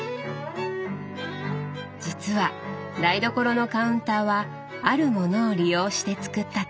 実は台所のカウンターはあるものを利用して作ったとか。